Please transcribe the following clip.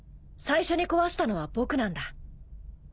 最初に壊したのは僕なんだ。